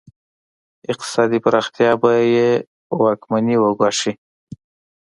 اقتصادي پراختیا به یې واکمني وګواښي.